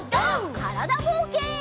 からだぼうけん。